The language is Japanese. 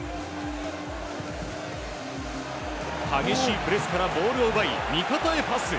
激しいプレスからボールを奪い味方へパス。